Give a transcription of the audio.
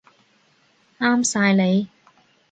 啱晒你